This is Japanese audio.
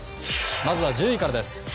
まずは１０位からです。